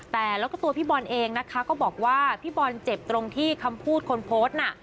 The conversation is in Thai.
แต่แล้วก็ตัวพี่บอลเองนะคะก็บอกว่าพี่บอลเจ็บตรงที่คำพูดคนโพสต์น่ะ